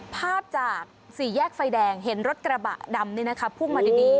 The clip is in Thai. ภาพจากสี่แยกไฟแดงเห็นรถกระบะดำพุ่งมาดี